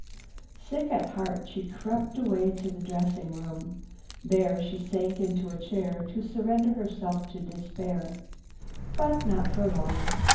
Sick at heart, she crept away to the dressing room. There she sank into a chair to surrender herself to despair. But not for long.